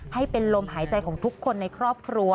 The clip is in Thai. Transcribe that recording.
ให้เป็นลมหายใจของทุกคนในครอบครัว